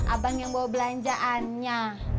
abang yang bawa belanjaannya